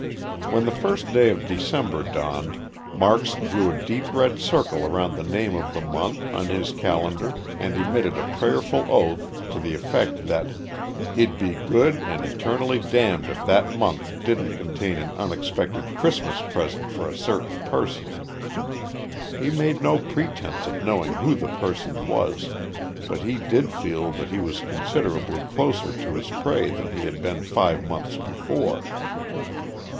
When the first day of December dawned, Marks drew a deep red circle around the name of the month on his calendar and emitted a prayerful oath, to the effect he'd "be good and eternally damned if that month didn't contain an unexpected Christmas present for a certain person." He made no pretense of knowing who the person was but he did feel that he was considerably closer to his prey than he had been five months before.